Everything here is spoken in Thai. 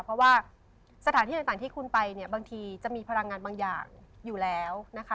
เพราะว่าสถานที่ต่างที่คุณไปเนี่ยบางทีจะมีพลังงานบางอย่างอยู่แล้วนะคะ